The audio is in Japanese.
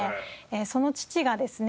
その父がですね